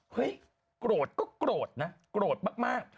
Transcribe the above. โกรธก็โกรธนะโกรธมาก